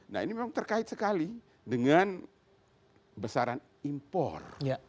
nah ini memang terkait sekali dengan besaran impor